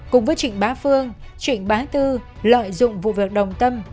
cùng với trịnh bá phương trịnh bá tư lợi dụng vụ việc đồng tâm